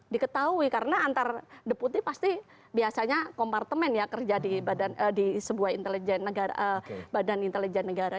diketahui karena antar deputi pasti biasanya kompartemen ya kerja di sebuah badan intelijen negara